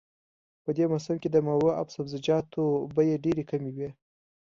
په دې موسم کې د میوو او سبزیجاتو بیې ډېرې کمې وي